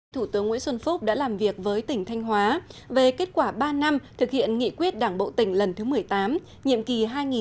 thủ tướng nguyễn xuân phúc đã làm việc với tỉnh thanh hóa về kết quả ba năm thực hiện nghị quyết đảng bộ tỉnh lần thứ một mươi tám nhiệm kỳ hai nghìn một mươi năm hai nghìn hai mươi